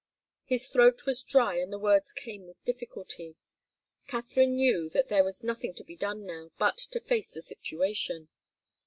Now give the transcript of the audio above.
His throat was dry, and the words came with difficulty. Katharine knew that there was nothing to be done now but to face the situation.